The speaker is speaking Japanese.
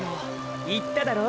言っただろ！！